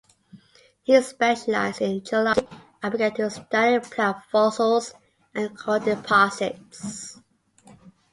He specialised in geology and began to study plant fossils in coal deposits.